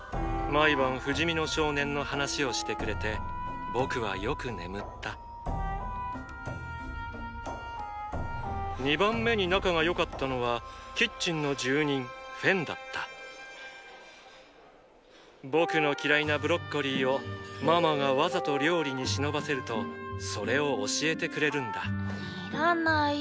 毎晩不死身の少年の話をしてくれて僕はよく眠った２番目に仲が良かったのはキッチンの住人フェンだった僕の嫌いなブロッコリーをママがわざと料理にしのばせるとそれを教えてくれるんだいらない。